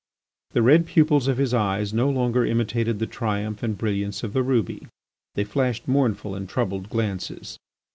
The red pupils of his eyes no longer imitated the triumph and brilliance of the ruby, they flashed mournful and troubled glances.